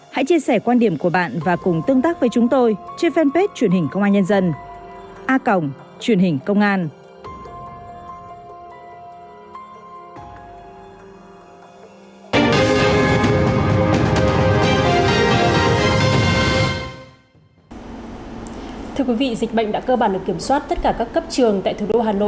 hãy chia sẻ quan điểm của bạn và cùng tương tác với chúng tôi trên fanpage truyền hình công an nhân dân